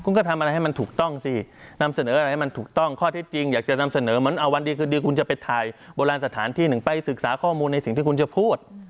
คุณก็ทำอะไรให้มันถูกต้องสินำเสนออะไรให้มันถูกต้องข้อที่จริงอยากจะนำเสนอเหมือนเอาวันดีคืนดีคุณจะไปถ่ายโบราณสถานที่หนึ่งไปศึกษาข้อมูลในสิ่งที่คุณจะพูด